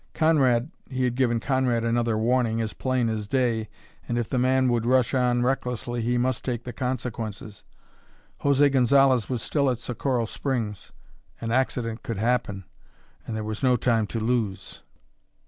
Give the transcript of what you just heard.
Conrad he had given Conrad another warning, as plain as day, and if the man would rush on recklessly he must take the consequences. José Gonzalez was still at Socorro Springs an accident could happen and there was no time to lose!